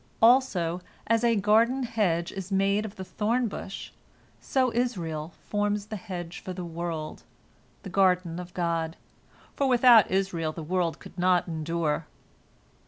Also, as a garden hedge is made of the thorn bush, so Israel forms the hedge for the world, the garden of God, for without Israel the world could not endure.